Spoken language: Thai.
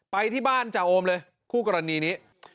ไปที่บ้านจ่าโอมเลยคู่กรณีนี้